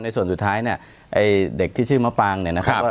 ส่วนสุดท้ายเนี่ยไอ้เด็กที่ชื่อมะปางเนี่ยนะครับ